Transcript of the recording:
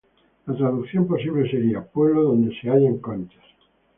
La traducción posible sería; pueblo donde se hallan conchas.